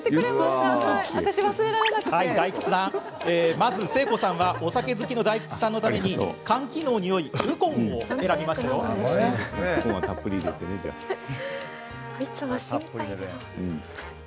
まず誠子さんはお酒好きの大吉さんのために肝機能にいいウコンを選びましたよ。